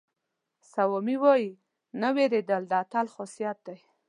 سوامي وایي نه وېرېدل د اتل خاصیت دی.